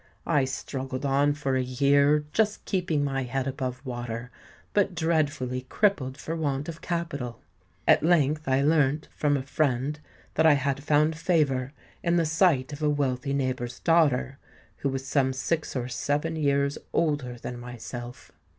I struggled on for a year, just keeping my head above water, but dreadfully crippled for want of capital. At length I learnt, from a friend, that I had found favour in the sight of a wealthy neighbour's daughter, who was some six or seven years older than myself.